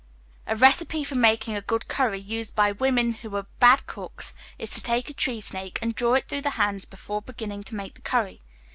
A recipe for making a good curry, used by women who are bad cooks, is to take a tree snake, and draw it through the hands before beginning to make the curry.